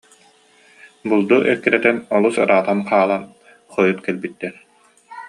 Булду эккирэтэн, олус ыраатан хаалан хойут кэлбиттэр